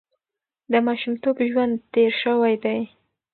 د ماشومتوب ژوند تېر شوی دی.